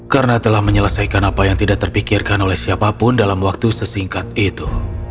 karena telah menyelesaikan apa yang tidak terpikirkan oleh siapapun dalam waktu sesingkat itu